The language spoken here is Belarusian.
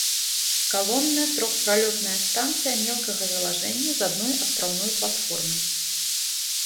Калонная трохпралётная станцыя мелкага залажэння з адной астраўной платформай.